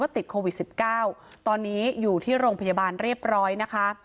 ติดโควิด๑๙ตอนนี้อยู่ที่โรงพยาบาลเรียบร้อยนะคะ